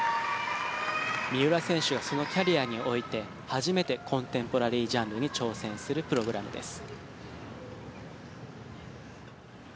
三浦選手はそのキャリアにおいて初めてコンテンポラリージャンルに挑戦するプログラムです。